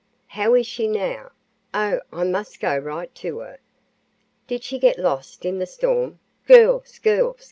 "How is she now? Oh! I must go right to her! Did she get lost in the storm? Girls, girls!